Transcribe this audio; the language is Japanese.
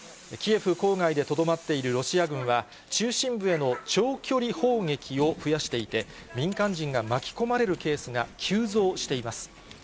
キエフ郊外でとどまっているロシア軍は、中心部への長距離砲撃を増やしていて、民間人が巻き込まれるケースが急増しています。